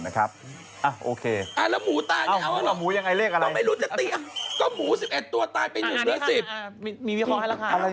แล้วหมูตายสิบเอ็ดตัวตายตีเหลือ๑๐